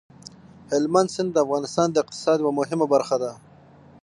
هلمند سیند د افغانستان د اقتصاد یوه مهمه برخه ده.